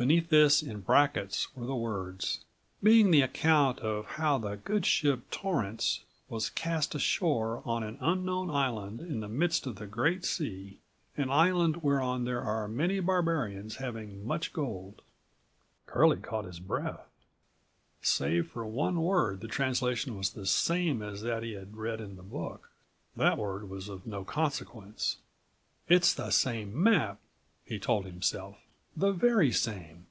Beneath this in brackets were the words: "Being the account of how the good ship Torence was cast ashore on an unknown island in the midst of the great sea; an island whereon there are many barbarians having much gold." Curlie caught his breath. Save for one word the translation was the same as that he had read in the book. That word was of no consequence. "It's the same map!" he told himself. "The very same!"